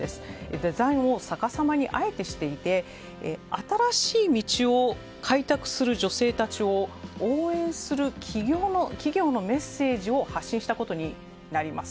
デザインを逆さまにあえてしていて新しい道を開拓する女性たちを応援する企業のメッセージを発信したことになります。